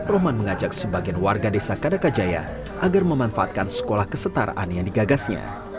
rohman mengajak sebagian warga desa kadakajaya agar memanfaatkan sekolah kesetaraan yang digagasnya